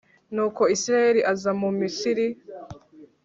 nuko israheli aza mu misiri